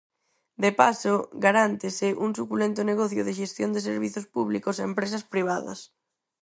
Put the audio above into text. De paso, garántese un suculento negocio de xestión de servizos públicos a empresas privadas.